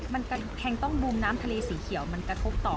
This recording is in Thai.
มันกำแพงต้องบูมน้ำทะเลสีเขียวมันกระทบต่อ